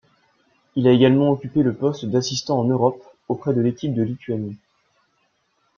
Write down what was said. Il a également occupé le poste d'assistant en Europe, auprès de l'équipe de Lituanie.